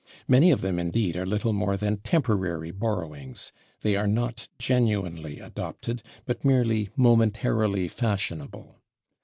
Many of them, indeed, are little more than temporary borrowings; they are not genuinely adopted, but merely momentarily fashionable.